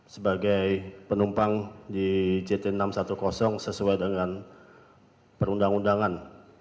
sebagai penumpang di jt enam ratus sepuluh sesuai dengan perundang undangan